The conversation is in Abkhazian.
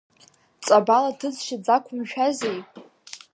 Ҵабал аҭыҵшьа дзақәымшәазеи?